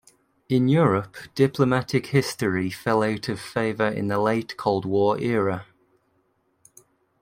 In Europe diplomatic history fell out of favor in the late Cold War era.